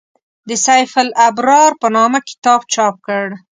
د «سیف الابرار» په نامه کتاب چاپ کړ.